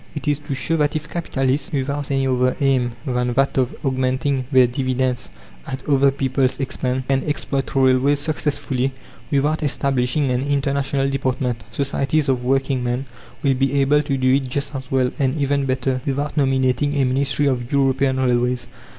It is to show that if capitalists, without any other aim than that of augmenting their dividends at other people's expense, can exploit railways successfully without establishing an International Department, societies of working men will be able to do it just as well, and even better, without nominating a Ministry of European railways.